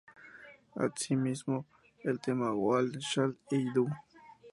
Asimismo, el tema "What Shall I do?